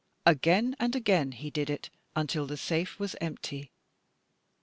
Again and again he did it, until the safe was empty.